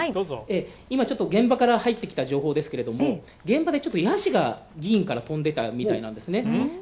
今、現場から入ってきた情報ですけれども現場で野次が議員から飛んでいたみたいなんですね。